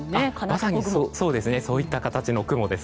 まさにそういった形の雲です。